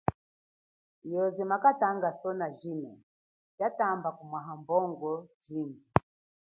Yoze makatanga ajino sona tshatamba kumwaha mbongo jindji.